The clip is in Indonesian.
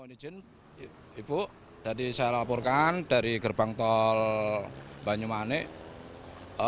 ibu tadi saya laporkan dari gerbang tol banyumanik